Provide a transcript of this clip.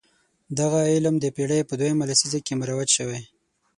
دغه علم د پېړۍ په دویمه لسیزه کې مروج شوی.